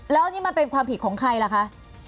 แล้วนี่มันเป็นความผิดของใครล่ะคะ